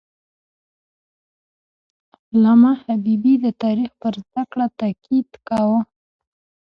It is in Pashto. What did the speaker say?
علامه حبیبي د تاریخ پر زده کړه تاکید کاوه.